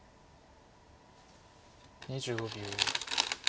２５秒。